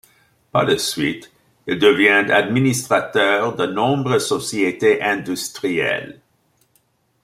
Par la suite, il devient administrateur de nombres sociétés industrielles.